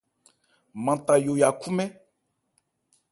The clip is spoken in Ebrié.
Manta yo ya khúmɛ́n.